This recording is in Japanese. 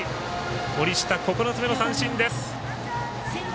森下、９つ目の三振です。